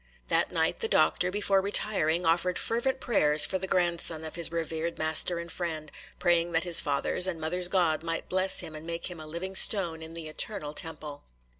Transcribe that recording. That night, the Doctor, before retiring, offered fervent prayers for the grandson of his revered master and friend, praying that his father's and mother's God might bless him and make him a living stone in the Eternal Temple.